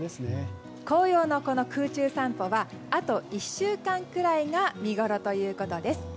紅葉の空中散歩はあと１週間くらいが見ごろということです。